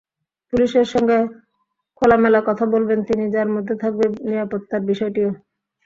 পুলিশের সঙ্গে খোলামেলা কথা বলবেন তিনি, যার মধ্যে থাকবে নিরাপত্তার বিষয়টিও।